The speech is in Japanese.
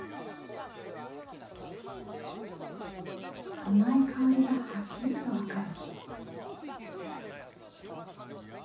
甘い香りがはっきりと分かる。